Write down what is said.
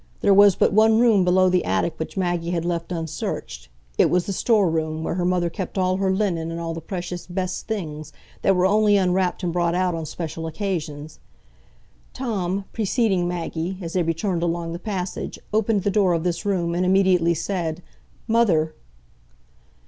There was but one room below the attic which Maggie had left unsearched; it was the storeroom, where her mother kept all her linen and all the precious "best things" that were only unwrapped and brought out on special occasions. Tom, preceding Maggie, as they returned along the passage, opened the door of this room, and immediately said, "Mother!"